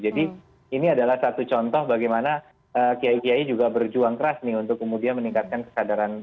jadi ini adalah satu contoh bagaimana kiai kiai juga berjuang keras nih untuk kemudian meningkatkan kesadaran